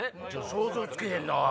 想像つけへんな。